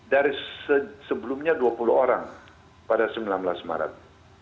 dari sebelumnya dua puluh orang pada sembilan belas maret